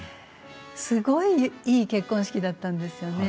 すごいいい結婚式だったんですよね。